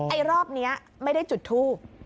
ไอ้รอบนี้ไม่ได้จุดทูบ